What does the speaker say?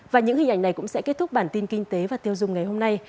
và những hình ảnh này cũng sẽ kết thúc bản tin kinh tế và tiêu dùng ngày hôm nay